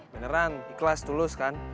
beneran ikhlas tulus kan